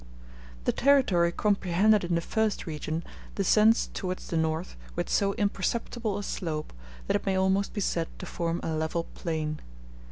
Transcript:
The territory comprehended in the first region descends towards the north with so imperceptible a slope that it may almost be said to form a level plain.